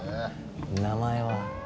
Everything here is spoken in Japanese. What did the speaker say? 名前は？